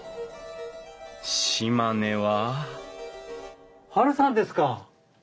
島根はハルさんですか！？